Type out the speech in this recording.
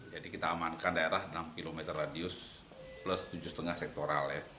jadi kita amankan daerah enam km radius plus tujuh lima sektoral